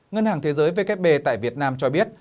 ngân hàng thế giới vkp tại việt nam cho biết